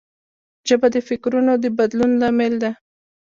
ژبه د فکرونو د بدلون لامل ده